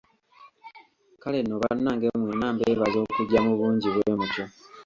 Kale nno bannange mwenna mbeebaza okujja mu bungi bwe mutyo.